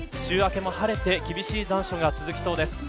週明けも晴れて厳しい残暑が続きそうです。